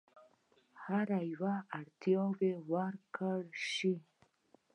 هر یوه اړتیاوو ورکړل شي.